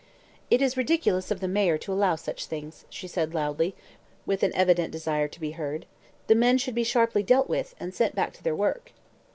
"It is ridiculous of the mayor to allow such things," she said loudly, with an evident desire to be heard. "The men should be sharply dealt with, and sent back to their work."